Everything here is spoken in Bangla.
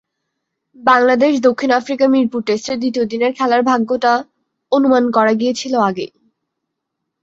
বাংলাদেশ-দক্ষিণ আফ্রিকা মিরপুর টেস্টের দ্বিতীয় দিনের খেলার ভাগ্যটা অনুমান করা গিয়েছিল আগেই।